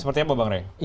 seperti apa bang ray